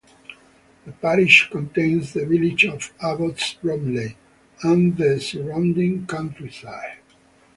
The parish contains the village of Abbots Bromley and the surrounding countryside.